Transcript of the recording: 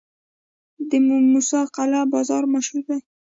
د موسی قلعه بازار مشهور دی